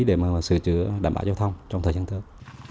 để mà sửa chữa đảm bảo giao thông trong thời gian tới